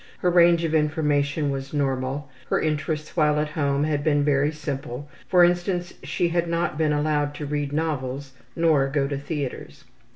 Her range of information was normal. Her interests while at home had been very simple; for instance, she had not been allowed to read novels nor go to theatres.